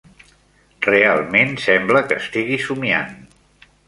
Realment sembla que estigui somiant.